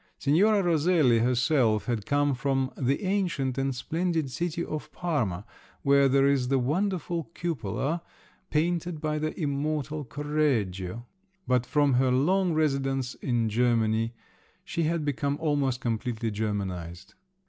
Signora Roselli herself had come from "the ancient and splendid city of Parma where there is the wonderful cupola, painted by the immortal Correggio!" But from her long residence in Germany she had become almost completely Germanised.